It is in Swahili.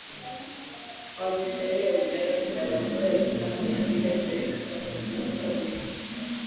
Halmashauri ya Wilaya Biharamulo elfu tano mia sita ishirini na saba na kilometa mbili